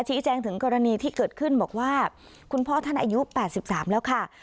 แจ้งถึงกรณีที่เกิดขึ้นบอกว่าคุณพ่อท่านอายุ๘๓แล้วค่ะ